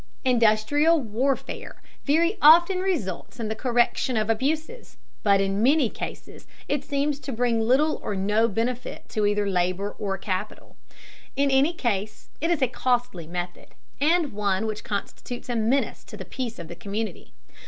Industrial warfare very often results in the correction of abuses, but in many cases it seems to bring little or no benefit to either labor or capital. In any case, it is a costly method, and one which constitutes a menace to the peace of the community.